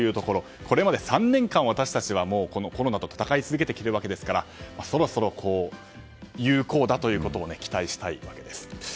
これまで３年間、私たちはこのコロナと闘い続けてきているわけですからそろそろ有効打を期待したいところです。